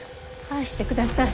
返してください！